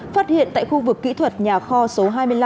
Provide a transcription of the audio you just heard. phát hiện tại khu vực kỹ thuật nhà kho số hai mươi năm